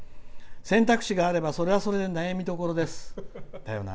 選択肢があればそれはそれで悩みどころです。